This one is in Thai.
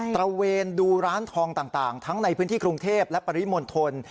ระเวนดูร้านทองต่างทั้งในพื้นที่กรุงเทพและปริมณฑล